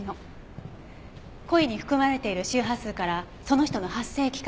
声に含まれている周波数からその人の発声器官